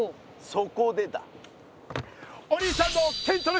そこでだ。